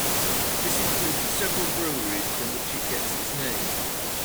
This included several breweries, from which it gets its name.